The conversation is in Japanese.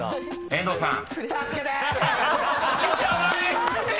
［遠藤さん］